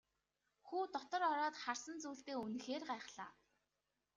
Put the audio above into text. Хүү дотор ороод харсан зүйлдээ үнэхээр гайхлаа.